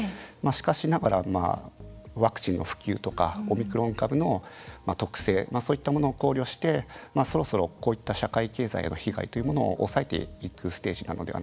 しかしながらワクチンの普及だとかオミクロン株の特性そういったものを考慮してそろそろ、こういった社会経済への被害というのを抑えていくステージなのかと。